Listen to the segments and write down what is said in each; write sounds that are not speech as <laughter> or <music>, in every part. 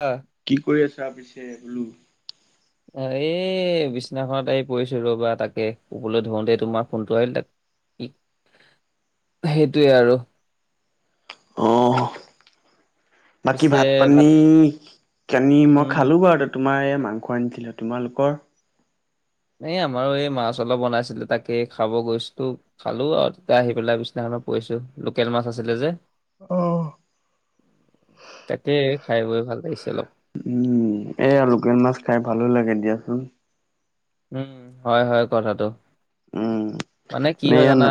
অ'। কি কৰি আছা পিছে বোলো। এই বিছনাখনত আহি পৰিছো ৰবা তাকে শুবলৈ ধৰোতে তোমাৰ ফোনটো আহিল তাক সেইটোৱে আৰু। অ', বাকী ভাত পানী কানি মই উম খালোঁ বাৰু তাত। তোমাৰ এই মাংস আনিছিলোঁ তোমালোকৰ। এই আমাৰো এই মাছ অলপ বনাইছিলো তাকে খাব গৈছো। খালোঁ আৰু তেতিয়া আহি পেলাই বিনাখন পৰিছো লোকেল মাছ আছিলে যে। অ' তাকে খাই বৈ ভাল লাগিছে অলপ। উম এই লোকেল মাছ খাই ভালো লাগে দিয়াচোন। উম হয় হয় কথাটো। উম, মানে কি হয় এয়া জানা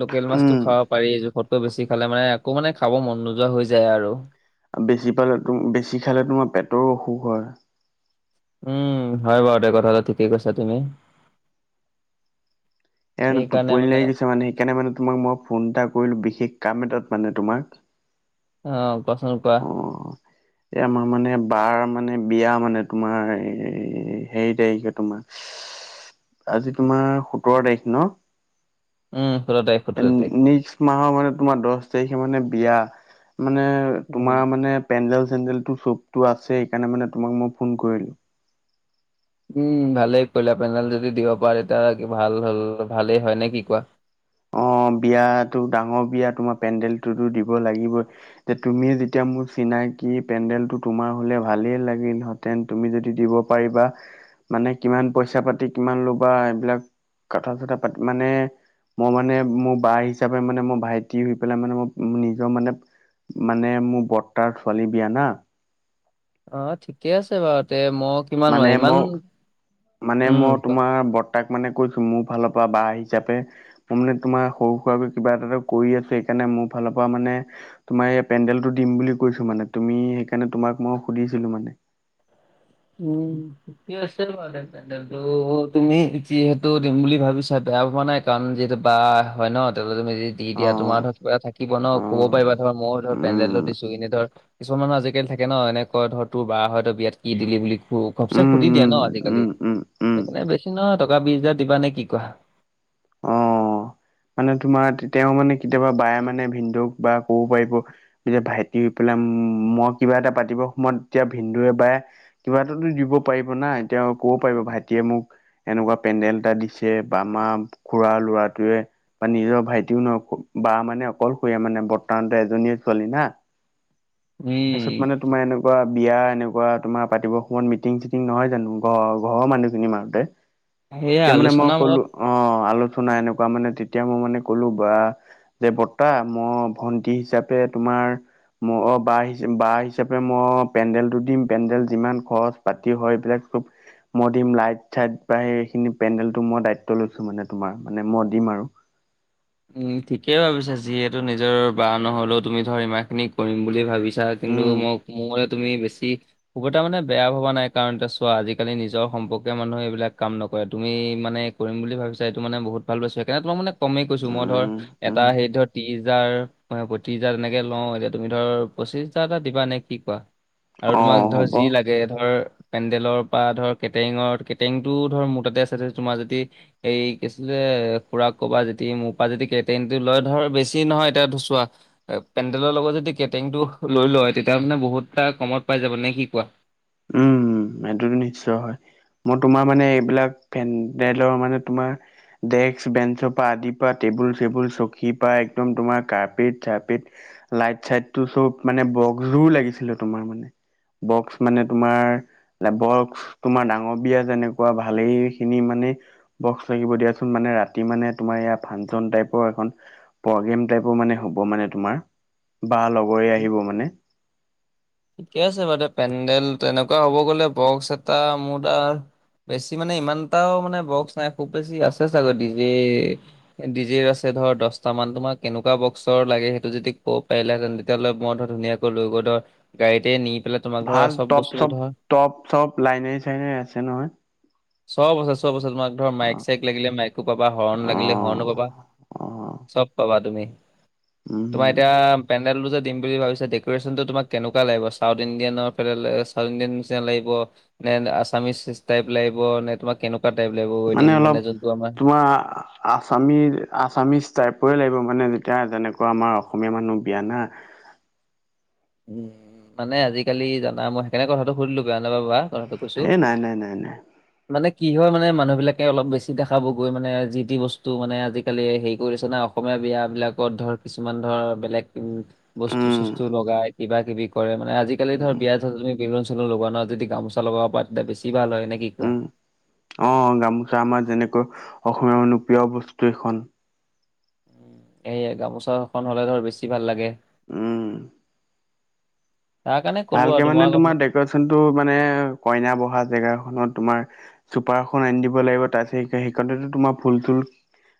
লোকেল মাছটো উম, <unintelligible> পাৰি জোখতকৈ বেছি খালে মানে আকৌ মানে খাব মন নোযোৱা হৈ যায় আৰু। আ, বেছি পালে তুম বেছি খালে তোমা পেটৰো অসুখ হয়। উম হয় বাৰু দে কথাটো ঠিকেই কৈছা তুমি। এন টোপনি লাই গৈছে মানে সেইকাণে মানে তোমাক মই ফোনটা কৰিলোঁ বিশেষ কাম এটাত বানে তোমাক অ', কোৱাচো কোৱা এ, আমা মানে বাৰ মানে বিয়া মানে তোমাৰ- হেৰি তাৰিখে তোমাৰ <inaudible> আজি তোমাৰ সোতৰ তাৰিখ ন উম সোতৰ তাৰিখ এন নিক্স মাহ্ মানে তোমা দচ তাৰিখে মানে বিয়া মানে তোমা উম। মানে পেণ্ডেল চেণ্ডেলটো চবতো আছে সেইকাণে মানে তোমাক ম ফোন কৰিলোঁ। উম ভালেই কৰিলা পেনডেল যদি দিব পাৰে তা কি ভাল হ'ল ভালেই হয় নে কি কোৱা অ', বিয়াতো ডাঙ্ বিয়া তোমা পেণ্ডেলটোতো দিব লাগিবই যে তুমিয়ে যেতিয়া মোৰ চিনাকি পেণ্ডেলটো তোমা হ'লে ভালেই লাগিল হয় টেন তুমি যদি দিব পাৰিবা মানে কিমান পইচা পাতি কিমান ল'বা এইবিলাক কথা চথা পাতি মানে ম মানে মো বা হিচাপে মানে মো ভাইটি হৈ পেলাই মানে ম নিজ্ মানেপ মানে মো বৰ্তাৰ ছোৱালী বিয়া না অ', ঠিকে আছে বাৰু তে ম কিমান মানে মাই ইমান মই মানে উম, মই কোৱা। তোমাৰ বৰ্তাক মানে কৈছোঁ মো ফাল্ পা বা হিচাপে ম মানে তোমা সৰু সুৰাকৈ কিবা এটাটো কৰি আছোঁ সেইকাণে মো ফাল্ পা মানে তোমা এই পেণ্ডেলটো দিম বুলি কৈছোঁ মানে তুমি সেইকাণে তোমাক ম সুধিছিলো মানে উম <unintelligible> পেণ্ডেলটো তুমি যিহেতু দিম বুলি ভাবিছা বেয়া ভবা নাই কাৰণ যিহেতু বা হয় ন <unintelligible> দি অ দিয়া তোমা ধ কিবা থাকিব ন অ ক'ব পাৰিবা ধৰ মইও ধৰ পেনণ্ডেলটো উম দিছো ইনে ধৰ কিছুমান মানুহ আজিকালি থাকে ন এনেক কয় ধৰ তোৰ বা হয় তই বিয়াত কি দিলি বুলি খু ঘবচে উম সুধি উম দিয়ে ন আজিকালি উম উম উম সেইকাণে বেছি নহয় টকা বিচজাৰ দিবা নে কি কোৱা অ'। মানে তোমাৰ তেতিয়াও মানে কেতিয়াবা বায়ে মানে ভিনদৌক বা ক'ব পাৰিব যেতিয়া ভাইটি হ পেলাই উম মই কিবা এটা পাতিবৰ সময়ত তিয়া ভিনদৌৱে বায়ে কিবা এটাতো দিব পাৰিব না এতিয়া অ', ক'ব পাৰিব ভাইটিয়ে মোক এনুকুৱা পেণ্ডেলটা দিছে বা আমা খুৰা ল'ৰাটোৱে বা নিজ্ ভাইটিও ন ফ বা মানে অকলশৰীয়া মানে বৰ্তান ত এজনীয়ে ছোৱালী না উম <unintelligible> মানে তোমা এনেকোৱা বিয়া এনেকোৱা তোমা পাতিব সময়ত মিটিং চিটিং নহয় জানো ঘৰ ঘৰ মানুহখিনি <unintelligible> <unintelligible> তিয়া মানে মই আলোচনা ক'লো মত অ', আলোঠনা এনুকোৱা মানে তেতিয়া মই মানে ক'লো বা যে বৰ্তা মই ভন্টি হিচাপে তোমাৰ ম অ', বা হিচ বা হিচাপে ম পেণ্ডেলটো দিম পেণ্ডেল যিমান খৰচ পাতি হয় এইবিলাক চব মই দিম লাইট চাইট বা সেইখিনি পেণ্ডেলটো মই দায়িত্ব লৈছোঁ মানে তোমাৰ মানে মই দিম আৰু। উম ঠিকেই ভাবিছা যিহেতু নিজৰ বা নহ'লও তুমি ধৰ ইমা খিনি কৰিম বুলি ভাবিছ ছা কিন্তু উম ম'ক মো মতে তুমি বেছি <unintelligible> মানে বেয়া ভবা নাই কাৰণ এতিয়া চোৱা আজিকালি নিজৰ সম্পৰ্কীয় মানুহে এইবিলাক কাম নকৰে তুমি মানেক কৰিম বুলি ভাবিছা এইটো মানে বহুত ভাল পাইছোঁ সেইকাণে তোমাক মানে কমেই কৈছোঁ মই ধৰ উম এটা উম হেৰিত ধৰ ত্ৰিশ হাজাৰ, পয়ত্ৰিশ হাজাৰ তেনেকে লওঁ। এতিয়া তুমি ধৰ পঁচিশ হাজাৰ এটা দিবা নে কি? আৰু অ তোমাক ধৰ হ'ব যি লাগে এ ধৰ পেণ্ডেলৰ পৰা ধৰ কেটেৰিঙৰ, কেটেৰিংটো ধৰ মোৰ তাতে আছে তোমাৰ যদি এই কি আছিলে খুৰাক ক'বা যে মোৰপা যদি কেটেৰিংটো লয় ধৰ বেছি নহয় এতিয়া এটো চোৱা পেণ্ডেলৰ লগত যদি কেটাৰিংটো লৈ লয়। তেতিয়া মানে বহুত এটা কমত পাই যাব নে কি কোৱা? উম, এইটোতো নিশ্চয়, হয় মই তোমাৰ মানে এইবিলাক ভেনটেলৰ মানে তোমাৰ ডেস্ক, বেঞ্চৰ পৰা আদিৰ পৰা টেবুল চেবুল চকীৰ পৰা একদম তোমাৰ কাৰ্পেট চাৰ্পেট লাইট চাইটো চব মানে বক্সযোৰ লাগিছিলে তোমাৰ মানে বক্স মানে তোমাৰ বক্স তোমাৰ ডাঙৰ বিয়া যেনেকুৱা ভালেই খিনি মানে বক্স লাগিব দিয়াচোন মানে ৰাতি মানে তোমাৰ এইয়া ফাংচন টাইপৰ এখন প্ৰগ্ৰেম টাইপৰ মানে হ'ব মানে তোমাৰ। বা লগৰীয়া আহিব মানে। ঠিকে আছে বাৰু পেণ্ডেল তেনেকুৱা হ'ব গ'লে বক্স এটা মোৰ তাত বেছি মানে ইমানটাও মানে বক্স নাই, খুব বেছি আছে চাগৈ ডি জে ডি জে আছে ধৰ দশটা মান। তোমাৰ কেনেকুৱা বক্সৰ লাগে সেইটো যদি ক'ব পাৰিলাহেঁতেন তেতিয়াহ'লে মই ধৰ ধুনীয়াক লৈ গৈ ধৰ গাড়ীতে নি পেলাই তোমাক ধৰ চব বস্তু ধৰ চব লাইনে চাইনেৰে আছে নহয়? চব আছে চব আছে। তোমাক ধৰ মাইক অ', চাইক লাগিলে মাইকো পাবা, হৰ্ণ লাগিলে হৰ্ণো পাবা। অ', চব পাবা তুমি, তোমাৰ উম, এতিয়া পেন্দেলটো যে দিম বুলি ভাবিছা, ডেকৰেচনটো তোমাক কেনেকুৱা লাগিব। চাউথ ইণ্ডিয়ানৰ ফালে চাউথ ইণ্ডিয়ান নিচিনা লাগিব নে আছামিচ চিছ টাইপ লাগিব নে তোমাৰ কেনেকুৱা টাইপ লাগিব ৱেডিং মানে যোনটো আমাৰ <unintelligible> আছামী আছামিজ টাইপৰে লাগিব মানে যেতিয়া যেনেকুৱা আমাৰ অসমীয়া মানুহ বিয়া না উম মানে আজিকালি জানা মই সেইকাৰণে কথাটো সুধিলো বেয়া নাপাবা। তাকে কৈছো এ নাই নাই নাই নাই মানে কি হয় মানে মানুহবিলাকে অলপ বেছি দেখাব গৈ মানে যি টি বস্তু মানে আজিকালি হেৰি কৰি দিছে না অসমীয়া বিয়াবিলাকত ধৰ কিছুমান ধৰ বেলেগ বস্তু উম, চস্তু লগাই কিবা কিবি কৰে মানে আজিকালি ধৰ উম, বিয়াত তুমি বেলুন চেলুন লগোৱা না, যদি গামোচা লগাব পা তেতিয়া বেছি ভাল হয় নেক উম অ' গামোচা আমাৰ যেনেকৈ অসমীয়া মানুহ প্ৰিয় বস্তু এইখন। সেয়ে গামোচাখন হ'লে ধৰ বেছি ভাল লাগে। উম তাৰ কাৰণে ক'লো আৰু ভালকে মানে কথা তোমাৰ ডেক'ৰেচনটো মানে কইনা বহা জেগাখনত তোমাৰ চুপাৰ এখন আনি দিব লাগিব। তাৰপিছত সেইখিনিতে তোমাৰ ফুল চুল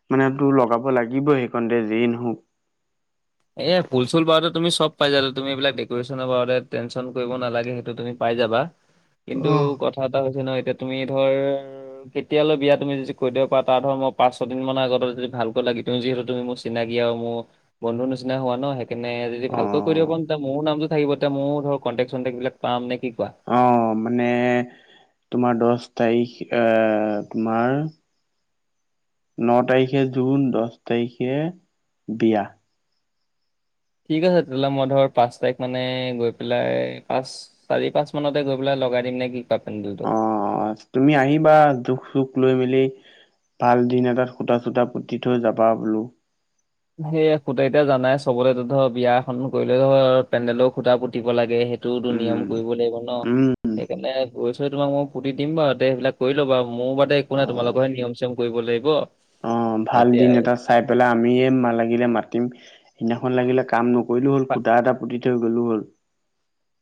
<unintelligible> লগাব লাগিবই সেইকণতে যেই নহওঁক এ ফুল চুল বাৰতে তুমি চব পাই যাবা। তুমি এইবিলাক ডেক'ৰেচনৰ বাৰতে টেনশ্যন কৰিব নালাগে সেইটো তুমি পাই যাবা। কিন্তু কথা এটা হৈছে নহয় এতিয়া তুমি ধৰ কেতিয়ালৈ বিয়া তুমি যদি কৈ দিব পাৰা তাৰ ধৰা ম পাঁচ ছদিন মান আগত যদি ভালকৈ লাগি দি যিহেতু তুমি মোৰ চিনাকি আৰু মোৰ বন্ধু নিচিনা হোৱা ন' সেইকাৰণে যদি ভালকৈ কৰি দিব অ'। পাৰোং তেতিয়া মোৰো নামটো থাকিব। তেতিয়া মোৰ ধৰক কণ্টেক্ট চণ্টেক্টবিলাক পাম নে কি কোৱা? অ' মানে তোমাৰ দশ তাৰিখ এ তোমাৰ ন তাৰিখে জুন, দশ তাৰিখে বিয়া। ঠিক আছে তেতিয়াহ'লে মই ধৰ পাঁচ তাৰিখ মানে গৈ পেলাই পাঁচ চাৰি পাঁচ মানতে গৈ পেলাই লগাই দিম নে কি <unintelligible> অ তুমি আহিবা, দুখ চুখ লৈ মেলি। ভাল দিন এটাত, খুতা চুতা পুতি থৈ যাবা বোলো। সেইয়া খুতা এতিয়া জানাই, চবতে ধৰ বিয়া এখন কৰিলেও ধৰ, পেণ্ডেলৰ খুতা পুতিব লাগে। সেই এইটোতো নিয়ম উম কৰিব লাগিব ন', উম সেইকাৰণে গৈ ছৈ তোমাক মই পুতি দিম বাৰু দে। সেইবিলাক কৰি ল' বাৰু, মোৰ বাদে একো অ নাই। তোমালোকৰহে নিয়ম চিয়ম কৰিব লাগিব। অ', ভাল এতিয়া দিন এটা চাই পেলাই আমিয়ে লাগিলে মাতিম। সেইদিনাখন লাগিলে কাম ন নকৰিলো হ'ল, পা- খুটা এটা পুতি থৈ গ'লেও হ'ল।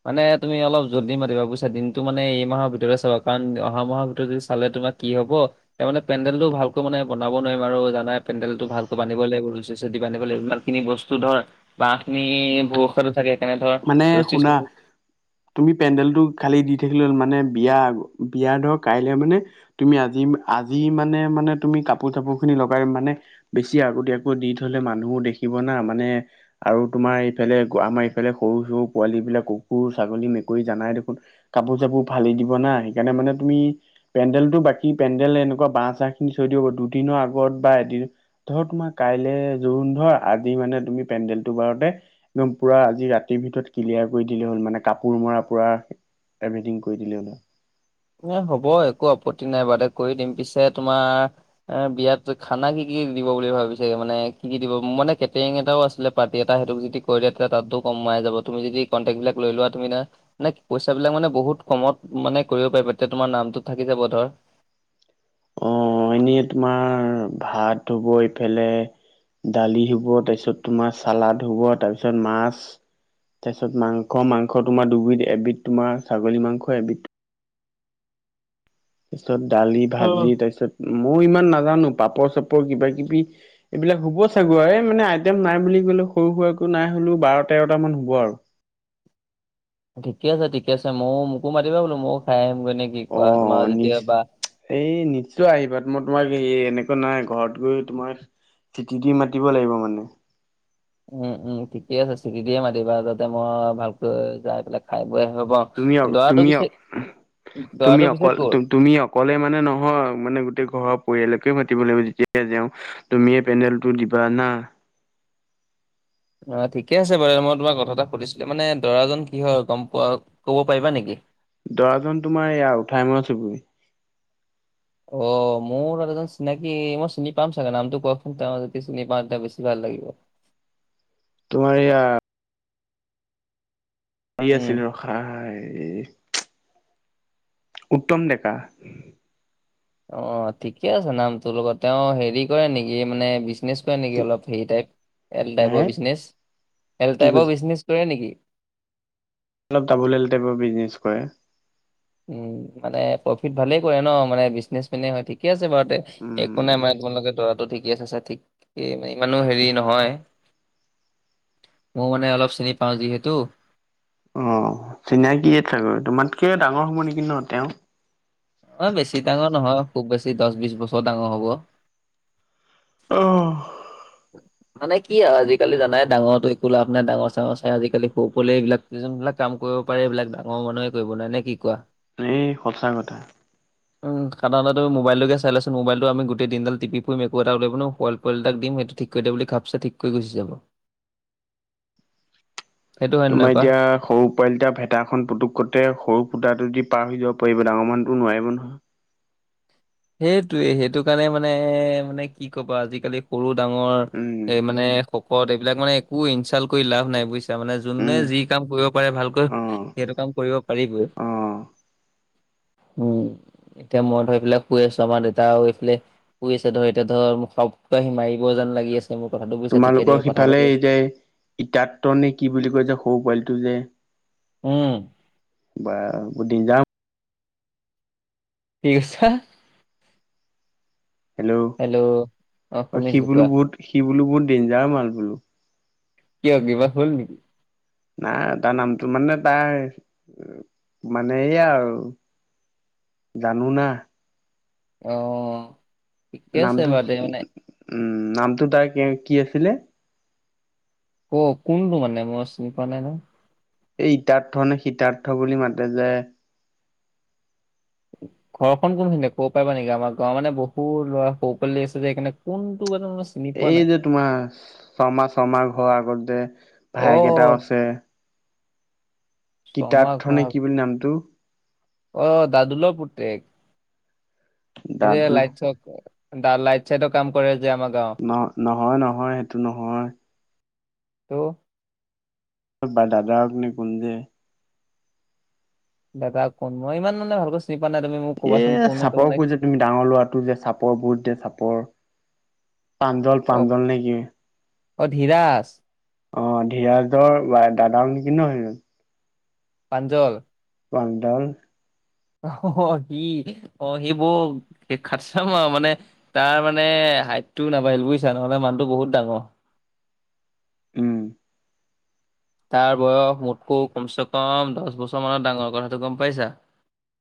মানে তুমি অলপ যল্দি মাতিবা বুজিছা, দিনটো মানে এইমাহৰ ভিতৰতে চাবা, কাৰণ অহা মাহৰ ভিতৰত যদি চালে তোমাক কি হ'ব? তাৰ মানে পেন্দেল টো ভালকৈ মানে বনাব নোৱাৰিম, আৰু জানাই পেণ্ডেল ভালকৈ বান্ধিব লাগিব। ৰচী চচী বন্ধিব লাগিব। খিনি বস্তু ধৰ, বাহ খিনি বৰষুণতো থাকে। সেইকাৰণে ধৰ মানে, ৰছী শুনা! চছী তুমি পেণ্ডেলটো খালি দি থাকিল হ'ল। মানে বিয়া, বিয়া ধৰ কাইলে মানে তুমি আজি, আজি মানে মানে তুমি কাপোৰ চাপোৰ খিনি লগাই মানে। বেছি আগতীয়াকৈ দি থ'লে মানুহো দেখিব না', মানে আৰু তোমাৰ এইফালে আমাৰ এইফালে সৰু সৰু পোৱালী বিলাক, কুকুৰ, ছাগলী, মেকুৰী জানাই দেখোন। কাপোৰ চাপোৰ ফালি দিব না', সেইকাৰণে মানে তুমি পেণ্ডেলটো বাকী পেণ্ডেল এনেকুৱা, বাঁহ চাহ খিনি থৈ দিব। দুদিনৰ আগত বা এদিন ধৰ তোমাৰ কাইলৈ জোৰোণ ধৰ, আজি মানে তুমি পেণ্ডেলটো বাৰোতে একদম পুৰা যি ৰাতিৰ ভিতৰত ক্লিয়াৰ কৰি দিলে হ'ল মানে, কাপোৰ মৰা পুৰা এভ্ৰিটিং কৰি দিলে হ'ল। এ হ'ব, একো আপত্তি নাই বাদে। কৰি দিম, পিছে তোমাৰ, এ বিয়াত খানা কি কি দিব বুলি ভাবিছে? মানে কি কি দিব! মোৰ মানে কেটেৰিং এটাও আছিলে। পাৰ্টি এটা, সেইটোক যদি কৈ দিয়া। তেতিয়া তাতো কমাই যাব, তুমি যদি কণ্টেক্টবিলাক লৈ লোৱা তুমি। মানে পইচাবিলাক মানে বহুত কমত মানে কৰিব পাৰিবা। তেতিয়া তোমাৰ নামটো থাকি যাব ধৰ। হয়নি, তোমাৰ ভাত হ'ব এইফালে, দালি হ'ব, তাৰপিছত তোমাৰ চালাদ হ'ব। তাৰপিছত তোমাৰ মাছ। তাৰপিছত মাংস, মাংস তোমাৰ দুবিধ, এবিধ তোমাৰ ছাগলী, মাংস এবিধ তাৰপিছত দালি, অ'। ভাজি। তাৰপিছত মইয়ো ইমান নাজানোঁ। পাপৰ চাপৰ কিবা-কিবি এইবিলাক হ'ব চাগৈ, আৰু এই মানে আইটেম নাই বুলি ক'লে। সৰু সুৰাকো নাই হ'লেও বাৰ তেৰটা মান হ'ব আৰু। ঠিকে আছে, ঠিকে আছে। মইয়ো মোকো মাতিবা বোলো, ময়ো খাই আহিম গৈ নে কি? কোৱা তোমাৰ অ', নিচ যেতিয়া বা এই নিশ্চয় আহিবা, মই তোমাক এই এনেকুৱা নহয়, ঘৰত গৈ তোমাৰ চিঠি দি মাতিব লাগিব মানুহ। উম্ উম্, ঠিকে আছে। চিঠি দিয়ে মাতিবা, যাতে মই ভালকৈ যাই পেলাই খাই বৈ আহিব পাৰোঁ। তুমি অ', দৰাটো তুমি পিছে অ', তুমি দৰাটো পিছে অকল ক'ৰ? তুমি অক ক'লে মানে নহয়, মানে গোটেই ঘৰৰ পৰিয়ালকে মাতিব লাগিব, যেতিয়াই যাওঁ। তুমিয়েই পেন্দেলটো দিবা না। অ', ঠিকে আছে বাৰু। মই তোমাক কথা এটা সুধিছিলোঁ, মানে দৰাজন কি হয়, গম পোৱা। ক'ব পাৰিবা নেকি? দৰাজন তোমাৰ এইয়া, উঠাই মৰা চুবুৰী। অ', মোৰ মানুহজন চিনাকি, মই চিনি পাম চাগে, নামটো কওঁকচোন? মই যদি চিনি পাওঁ, তেতিয়া বেছি ভাল লাগিব। তোমাৰ এইয়া। শুই উম আছিলোঁ, সাই উত্তম ডেকা। অ', ঠিকে আছে নাম তোৰ লগত। তেওঁ হেৰি কৰে নেকি? এই মানে, বিজনেছ কৰে নেকি অলপ হেৰি টাইপ? এল হে টাইপৰ বিজনেছ, এল কি টাইপৰ কৈছে বিজনেছ কৰে নেকি? অলপ দাবোল এল টাইপৰ বিজনেছ কৰে। মানে প্ৰফিট ভালেই কৰে ন মানে বিজনেচ মেনে হয় ঠিক। ঠিকে আছে বাৰু তে একো উম নাই মানে তোমালোকে দৰাটো ঠিকে চাইছা ঠিক। ই এনৈ ইমানো হেৰি নহয় মও মানে অলপ চিনি পাও যিহেতু, অ চিনাকিয়ে চাগৈ তোমাতকে ডাঙৰ হ'ব নেকি ন তেওঁ, অ বেছি ডাঙৰ নহয় খুব বেছি দচ বিচ বছৰ ডাঙৰ হ'ব। অ মানে কি আৰু আজিকালি জানাই ডাঙৰো একো লাভ নাই ডাঙৰ চাঙৰ চাই আজিকালি সৰু পোৱালি এইবিলাক, যোনবিলাক কাম কৰিব পাৰে এইবিলাক ডাঙৰ মানুহে কৰিব নোৱাই নে কি কোৱা, এই সঁচা কথা <inaudible> উম সাধৰণ তু মবাইলটোেকে চাই লোৱা চুন মোবাইলটো আমি গোটেই দিন দাল টিপি ফুৰিম একো এটা উলিয়াব নোৱাৰোঁ পোৱালি পোৱালি এটাক দিম সেইটো ঠিক কৰি দে বুলি ঘাপ চে ঠিক কৰি থৈ গুচি যাব। সেইটো হয় নে তোমাৰ নহয় কোৱা? এতিয়া সৰু পোৱালিটা ভেটাখন পুটোকতে সৰু ফুটাটো যদি পাৰ হৈ যাব পাৰিব ডাঙৰ মানুহ এটাই নোৱাৰিব নহয়। সেইটোৱে সেইটো কাৰণে মানে মানে কি কবা আজিকালি সৰু ডাঙৰ উম, এ মানে, পকত এইবিলাক মানে একো ইনচাল্ কৰি লাভ নাই বুজিছা তাৰ মানে উম, যোনে যি কাম কৰিব পাৰে ভালকৈ অ', সেইটো কাম কৰিব পাৰিবই। অ', উম এতিয়া মই এইবিলাক, শুই আছো আমাৰ দেউতাও এইফালে শুই আছে ধৰ এতিয়া ধৰ খব কে আহি মাৰিব যেন লাগি আছে। তুমি মোৰ কথাটো বুজিছা ঠিকে দেই কথা পাতি আছো। ইডাটনে কি বুলি কয় যে সৰু পোৱালিটো যে, উম বা বৰ দেঞ্জাৰ কি কৈছা? হেল্ল' অ সি শুনিছো বোলো কোৱা বহুত সি বোলো বহুত ডেঞ্জাৰ মাল বোলো কিয় কিবা হ'ল নেকি নাই তাৰ নামটো মানে তাৰ মানে এইয়া আৰু জানো না অ ঠিকে আছে নামটো বাৰু দে মানে উম নামটো তাৰ কি আছিলে অ কোনটো মানে মই চিনি পোৱা নাই নহয় এই ইতাৰ্থ নে সীতাৰ্থ বুলি মাতে যে <unintelligible> ঘৰখন কোনখিনিত ক'ব পাৰিব নেকি আমাৰ গাঁৱৰ ৱৰ মানে বহু ল'ৰা সৰু পোৱালি আছে যে এইকাৰণ কোনটো মানুহ মই চিনি পোৱা নাই। এই যে তোমাৰ শৰ্মা শৰ্মা ঘৰ আগত যে অ' ভাইকেইটাও আছে শৰ্মা কিতাৰ্থ নে ঘৰ কি বুলি নামটো অ দাদুলৰ পুতেক এই যে দাদু লাইট চাট লাইট চাইটৰ কাম কৰে যে আমাক নহ নহয় নহয় সেইটো নহয় ত দাদাক কোন যে দাদা কোন মই ইমান মানে ভালকৈ চিনি পোৱা নাই তুমি মোক এ ক'বাচোন কোন সেইটো চাপৰ মানে কৈ যে তুমি ডাঙৰ লৰাটো যে চাপৰ বহুত যে চাপৰ প্ৰাঞ্জল অ প্ৰাঞ্জল নে কি অ, ধীৰাজ। অ, ধৰাজৰ দাদা অক নেকি ন সেইজন? প্ৰাঞ্জল। প্ৰাঞ্জল। অ, সি, অ, সি বৰ খাটছাম <unintelligible> মানে তাৰ মানে হাইটটো নাবাঢ়িল বুজিছা, নহ'লে মানুহটো বহুত ডাঙৰ। উম। তাৰ বয়স মোতকৈও কমচে কম দহ বছৰ মানৰ ডাঙৰ, কথাটো গম পাইছা।